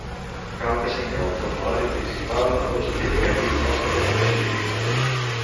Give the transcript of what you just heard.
Cal que signeu el formulari principal amb un certificat digital de persona jurídica.